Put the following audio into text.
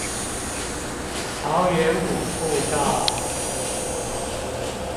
桃源谷步道